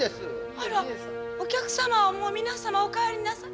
あらお客様はもう皆様お帰りなさい。